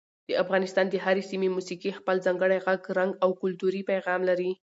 د افغانستان د هرې سیمې موسیقي خپل ځانګړی غږ، رنګ او کلتوري پیغام لري.